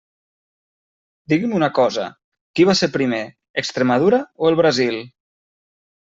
Digui'm una cosa, ¿qui va ser primer, Extremadura o el Brasil?